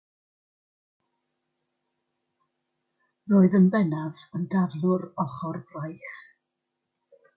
Roedd yn bennaf yn daflwr ochr braich.